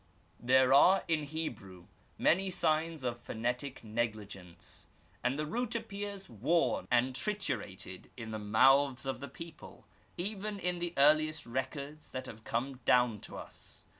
There are in Hebrew many signs of phonetic negligence, and the root appears worn and triturated in the mouths of the people, even in the earliest records that have come down to us.